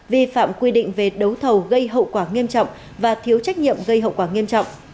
vi phạm quy định về đấu thầu gây hậu quả nghiêm trọng và thiếu trách nhiệm gây hậu quả nghiêm trọng